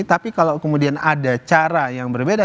tapi kalau kemudian ada cara yang berbeda